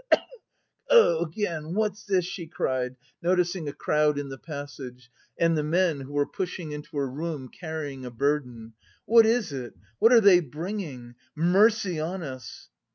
(Cough, cough, cough, cough!) Again! What's this?" she cried, noticing a crowd in the passage and the men, who were pushing into her room, carrying a burden. "What is it? What are they bringing? Mercy on us!"